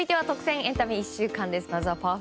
エンタメ１週間です。